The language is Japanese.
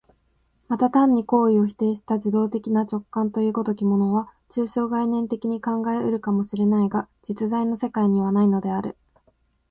また単に行為を否定した受働的な直覚という如きものは、抽象概念的に考え得るかも知れないが、実在の世界にはないのである。